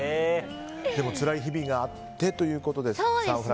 つらい日々があってということでしたね。